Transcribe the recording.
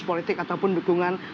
politik ataupun dukungan